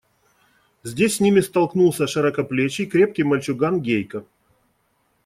Здесь с ними столкнулся широкоплечий, крепкий мальчуган Гейка.